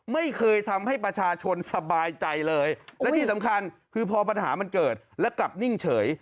ไม่เคยทำให้ประชาชนสบายใจเลยและที่สำคัญคือพอปัญหามันเกิดและกลับนิ่งเฉย